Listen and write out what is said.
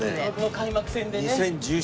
開幕戦でね。